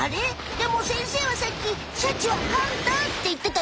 でも先生はさっきシャチはハンターっていってたよね？